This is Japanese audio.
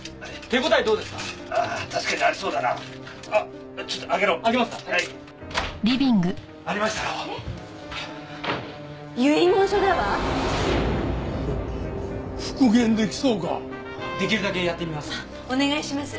出来るだけやってみます。